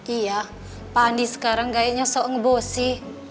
iya pandi sekarang kayaknya sok ngebosi